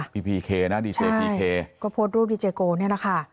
พีเคนะดีเจพีเคก็โพสต์รูปดีเจโกนี่แหละค่ะ